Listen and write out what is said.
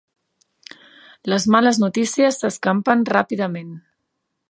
Les males notícies s'escampen ràpidament.